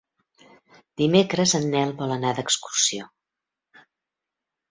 Dimecres en Nel vol anar d'excursió.